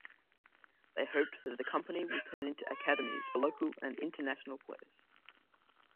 They hoped that the company will turn into academies for local and international players.